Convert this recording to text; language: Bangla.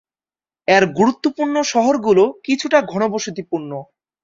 এর গুরুত্বপূর্ণ শহরগুলো কিছুটা ঘনবসতিপূর্ণ।